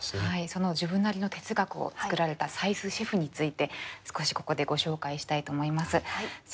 その自分なりの哲学を作られた斉須シェフについて少しここでご紹介したいと思います。